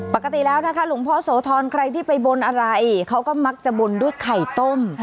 ปกติแล้วนะคะหลวงพ่อโสธรใครที่ไปบนอะไรเขาก็มักจะบนด้วยไข่ต้ม